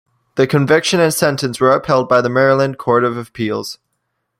The conviction and sentence were upheld by the Maryland Court of Appeals.